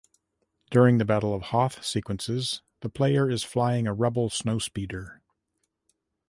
During the Battle of Hoth sequences, the player is flying a Rebel snowspeeder.